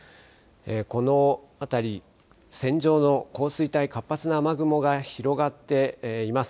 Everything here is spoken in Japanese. この辺り、線状の降水帯、活発な雨雲が広がっています。